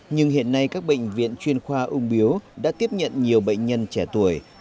nhưng hiện nay các bệnh viện chuyên khoa ung biếu đã tiếp nhận nhiều bệnh nhân trẻ tuổi